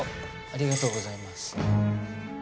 ありがとうございます。